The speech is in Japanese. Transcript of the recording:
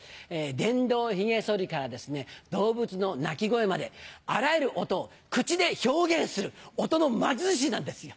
電動ひげ剃りから動物の鳴き声まであらゆる音を口で表現する音の魔術師なんですよ。